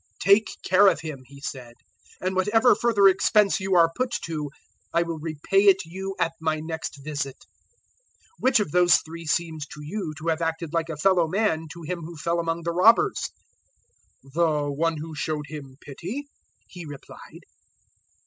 "`Take care of him,' he said, `and whatever further expense you are put to, I will repay it you at my next visit.' 010:036 "Which of those three seems to you to have acted like a fellow man to him who fell among the robbers?" 010:037 "The one who showed him pity," he replied.